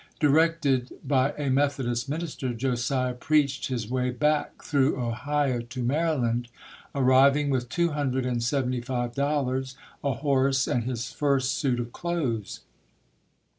Directed by a Methodist minister, Josiah preached his way back through Ohio to Maryland, arriving with two hundred and seventy five dol lars, a horse and his first suit of clothes.